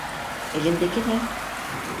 Elindeki ne?